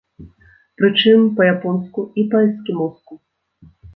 Прычым, па-японску і па-эскімоску.